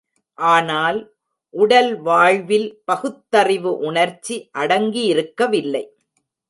ஆனால், உடல் வாழ்வில் பகுத்தறிவு உணர்ச்சி அடங்கியிருக்கவில்லை.